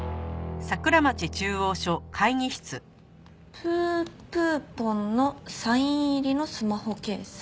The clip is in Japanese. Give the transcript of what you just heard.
プープーポンのサイン入りのスマホケース？